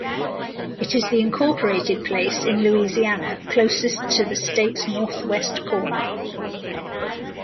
It is the incorporated place in Louisiana closest to the state's northwest corner.